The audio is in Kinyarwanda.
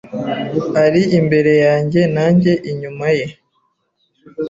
Ari imbere yanjye nanjye inyuma ye